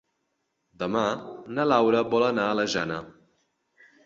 Demà na Laura vol anar a la Jana.